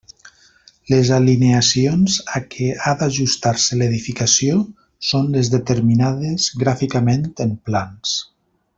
Les alineacions a què ha d'ajustar-se l'edificació són les determinades gràficament en plans.